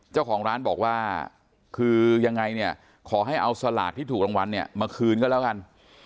เจ้าของร้านบอกว่าคือยังไงเนี่ยขอให้เอาสลากที่ถูกรางวัลเนี่ยมาคืนก็แล้วกัน